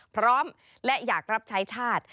พร้อมและอยากรับใช้ชาติ